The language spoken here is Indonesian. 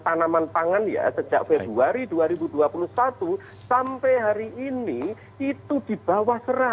tanaman tangan ya sejak februari dua ribu dua puluh satu sampai hari ini itu di bawah seratus